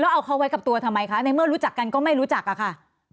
เอาเขาไว้กับตัวทำไมคะในเมื่อรู้จักกันก็ไม่รู้จักอะค่ะ